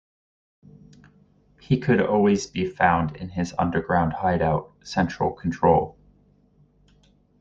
He could always be found in his underground hideout, Central Control.